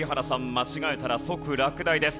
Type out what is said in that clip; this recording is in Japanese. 間違えたら即落第です。